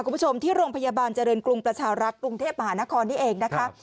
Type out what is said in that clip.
คุณผู้ชมที่โรงพยาบาลเจริญกรุงประชารักษ์กรุงเทพมหานครนี่เองนะคะ